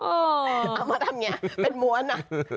เอามาทำอย่างนี้เป็นม้วน